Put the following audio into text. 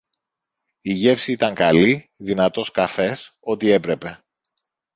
Η γεύση ήταν καλή, δυνατός καφές, ότι έπρεπε